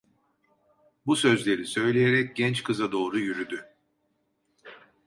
Bu sözleri söyleyerek genç kıza doğru yürüdü.